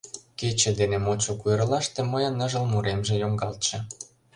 Кече дене модшо куэрлаште Мыйын ныжыл муремже йоҥгалтше.